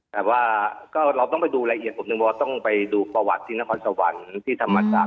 แต่ว่าก็เราต้องไปดูรายละเอียดผมหนึ่งว่าต้องไปดูประวัติที่นครสวรรค์ที่ธรรมศาสต